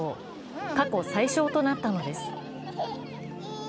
過去最少となったのです。